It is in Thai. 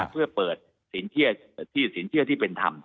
เพื่อเปิดสินเชื่อที่เป็นธรรม